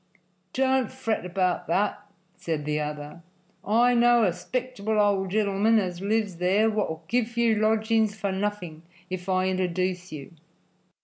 "Don't fret about that," said the other. "I know a 'spectable old genelman as lives there wot'll give you lodgings for nothing if I interduce you."